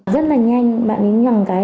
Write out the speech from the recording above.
rất là nhanh bạn ấy nhầm cái